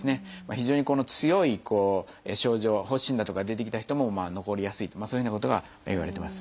非常にこの強い症状発疹だとかが出てきた人も残りやすいとそういうふうなことがいわれてます。